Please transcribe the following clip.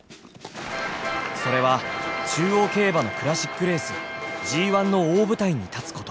それは中央競馬のクラシックレースＧⅠの大舞台に立つこと。